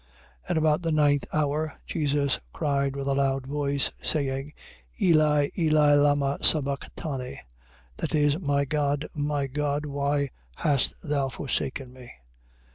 27:46. And about the ninth hour, Jesus cried with a loud voice, saying: Eli, Eli, lamma sabacthani? That is, My God, My God, why hast thou forsaken me?